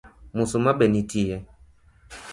Musoma be nitie?